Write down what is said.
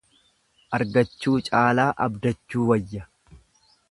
Argachuu caalaa abdachuu wayya.